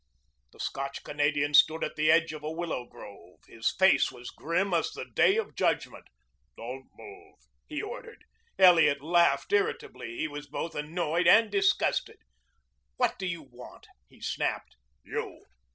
The Scotch Canadian stood at the edge of a willow grove. His face was grim as the day of judgment. "Don't move," he ordered. Elliot laughed irritably. He was both annoyed and disgusted. "What do you want?" he snapped. "You."